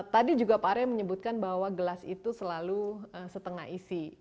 tadi juga pak ray menyebutkan bahwa gelas itu selalu setengah isi gitu ya